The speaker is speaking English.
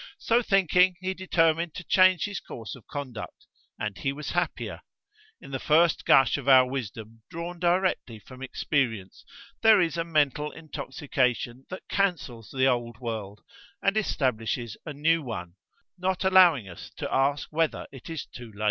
So thinking, he determined to change his course of conduct, and he was happier. In the first gush of our wisdom drawn directly from experience there is a mental intoxication that cancels the old world and establishes a new one, not allowing us to ask whether it is too late.